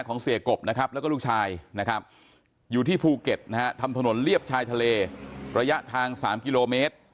ของเสียกบนะครับแล้วก็ลูกชายนะครับอยู่ที่ภูเก็ตนะฮะทำถนนเลียบชายทะเลระยะทาง๓กิโลเมตร